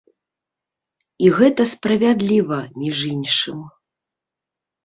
І гэта справядліва, між іншым.